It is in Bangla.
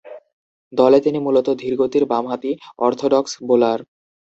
দলে তিনি মূলতঃ ধীরগতির বামহাতি অর্থোডক্স বোলার।